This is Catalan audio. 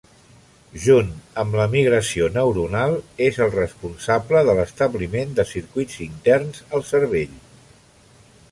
Junt amb la migració neuronal, és el responsable de l'establiment de circuits interns al cervell.